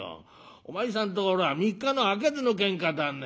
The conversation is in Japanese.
お前さんところは三日のあげずのけんかだね。